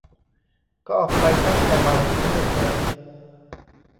ก็ออกไปตั้งแต่บ่ายถึงดึกเลย